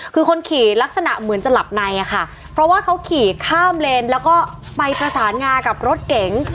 คือคนขี่ลักษณะเหมือนจะหลับในอะค่ะเพราะว่าเขาขี่ข้ามเลนแล้วก็ไปประสานงากับรถเก๋ง